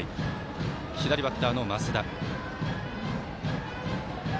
左バッターの増田。